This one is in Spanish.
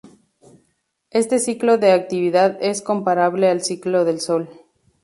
Este ciclo de actividad es comparable al ciclo del Sol.